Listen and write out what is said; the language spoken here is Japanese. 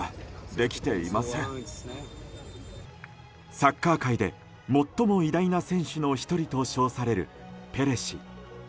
サッカー界で最も偉大な選手の１人と称されるペレ氏。